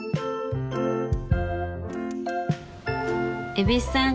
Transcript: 蛭子さん